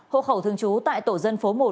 hộ khẩu thường trú tại tổ dân phố một